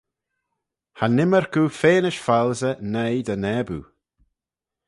Cha n'ymmyrk oo feanish foalsey noi dty naboo.